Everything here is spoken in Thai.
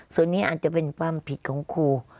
ส่วนนี้อาจจะเป็นความผิดของครู